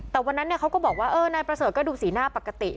แต่วันนั้นเขาก็บอกว่านายประเสริฐก็ดูสีหน้าปกติ